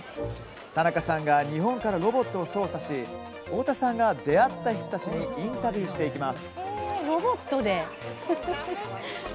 田中さんが日本からロボットを操作し太田さんが出会った人たちにインタビューしていきます。